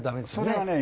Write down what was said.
それはね